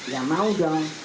ya mau dong